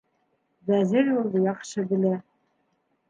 Вәзир юлды яҡшы белә.